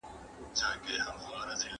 د پردي سيوري نه، په خپلو سرو غرمو کښې ښه ئې.